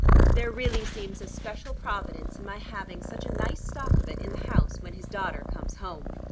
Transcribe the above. There really seems a special Providence in my having such a nice stock of it in the house when his daughter comes home."